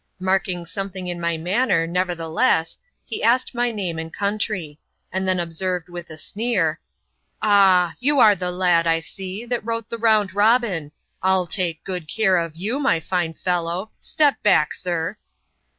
Marking something in my manner, nevertheless, he asked my name and country ; and tiien observed with a sneer, ^ Ah, you are the lad, I see, that wrote the Round Robin; 111 take good care of yo«, my fine fellow — step back, sir."